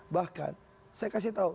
bahkan saya kasih tahu